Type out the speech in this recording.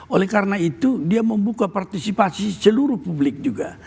oleh karena itu dia membuka partisipasi seluruh publik juga